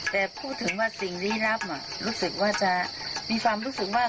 แต่พูดถึงว่าสิ่งลี้ลับรู้สึกว่าจะมีความรู้สึกว่า